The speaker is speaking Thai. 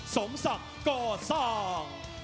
สมศักดิ์ก่อสร้าง